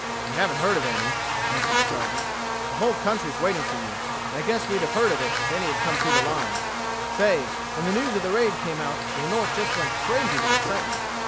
"We haven't heard of any," answered the Sergeant. "The whole country's waiting for you, and I guess we'd have heard of it if any had come through the lines. Say, when the news of the raid came out, the North just went crazy with excitement."